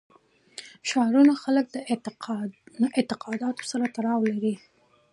ښارونه د خلکو له اعتقاداتو سره تړاو لري.